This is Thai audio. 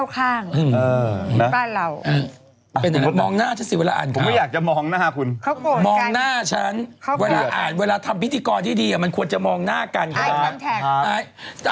๕คนรายชื่อก็ปรากฏอยู่ที่หน้าจอ